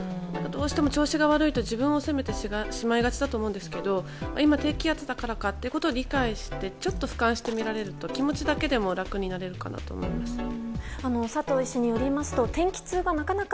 どうしても調子が悪いと自分を責めてしまいがちだと思うんですけど今、低気圧だからかと理解してちょっと俯瞰して見られると気持ちだけでも楽になれるかなと思います。